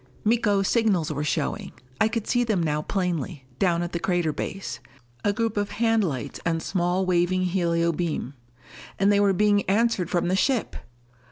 Miko's signals were showing! I could see them now plainly, down at the crater base. A group of hand lights and small waving helio beam. And they were being answered from the ship!